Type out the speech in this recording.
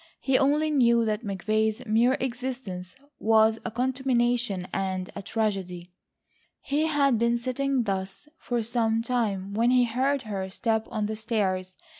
He only knew that McVay's mere existence was a contamination and a tragedy. He had been sitting thus for some time, when he heard her step on the stairs.